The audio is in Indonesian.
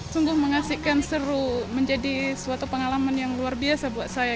sungguh mengasihkan seru menjadi suatu pengalaman yang luar biasa buat saya